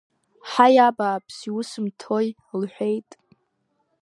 Ҳаи, абааԥс, иусымҭои, — лҳәеит.